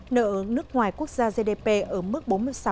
nợ nước ngoài quốc gia gdp ở mức bốn mươi sáu